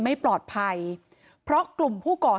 เหตุการณ์เกิดขึ้นแถวคลองแปดลำลูกกา